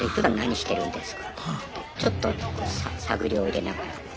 ちょっと探りを入れながら。